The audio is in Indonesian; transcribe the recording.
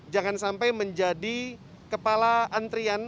jangan sampai menjadi kepala antrian